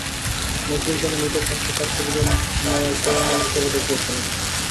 নজরুল যেমন ঈদের চাঁদকে প্রাপ্য বুঝে নেওয়ার প্রেরণা হিসেবে দেখেছিলেন।